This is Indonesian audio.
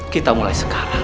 kita mulai sekarang